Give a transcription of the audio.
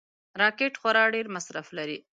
راکټ خورا ډېر مصرف لري